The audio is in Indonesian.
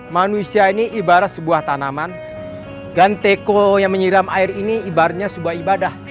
manusia ini ibarat sebuah tanaman dan teko yang menyiram air ini ibaratnya sebuah ibadah